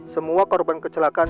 semua korban kecelakaan